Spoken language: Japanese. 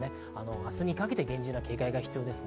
明日にかけて厳重な警戒が必要です。